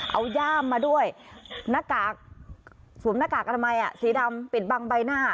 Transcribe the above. เอาย่ามมาด้วยสวมหน้ากากกระไม้สีดำปิดบังใบหน้า